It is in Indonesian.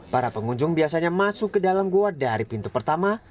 para pengunjung biasanya masuk ke dalam goa dari pintu pertama